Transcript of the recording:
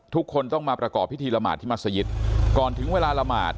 ทุกคนต้องมาประกอบพิธีละหมาดที่มัศยิตก่อนถึงเวลาละหมาด